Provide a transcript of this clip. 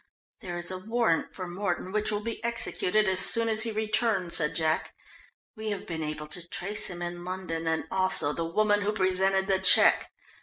"There is a warrant for Mordon which will be executed as soon as he returns," said Jack. "We have been able to trace him in London and also the woman who presented the cheque.